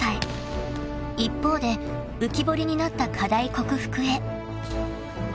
［一方で浮き彫りになった課題克服へ］